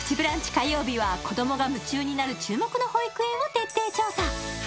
火曜日は子どもが夢中になる注目の保育園を徹底調査